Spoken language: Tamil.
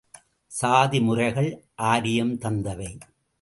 சாதிமுறைகள் ஆரியம் தந்தவை.